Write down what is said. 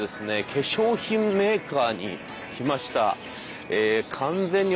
化粧品メーカーに来ました。